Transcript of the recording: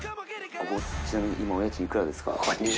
ここちなみに今お家賃幾らですか？